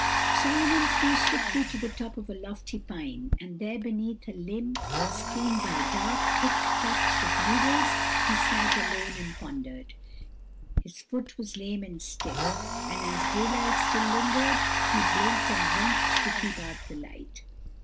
Solomon flew swiftly to the top of a lofty pine, and there beneath a limb, screened by dark, thick tufts of needles he sat alone and pondered. His foot was lame and stiff, and as daylight still lingered he blinked and winked to keep out the light.